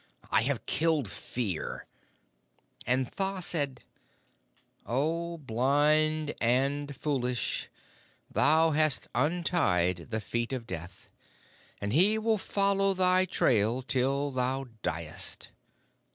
I have killed Fear.' And Tha said: 'O blind and foolish! Thou hast untied the feet of Death, and he will follow thy trail till thou diest.